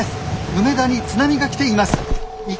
梅田に津波が来ています！